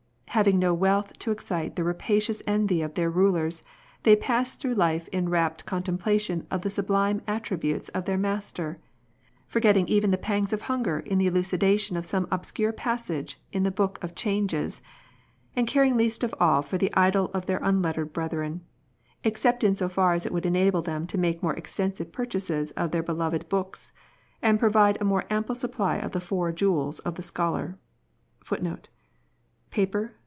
Having no wealth to excite the rapacious envy of their rulers, they pass through life in rapt contempla tion of the sublime attributes of their Master, forget ting even the pangs of hunger in the elucidation of some obscure passage in the Book of Changes, and caring least of all for the idol of their unlettered brethren, except in so far as it would enable them to make more extensive purchases of their beloved books, and provide a more ample supply of the "four jewels "* of the scholar.